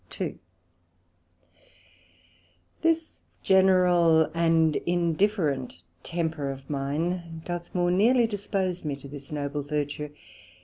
SECT.2 This general and indifferent temper of mine doth more neerly dispose me to this noble virtue.